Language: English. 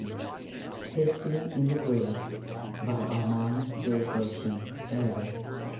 History in the Grades ARMAND J. GERSON, Editor.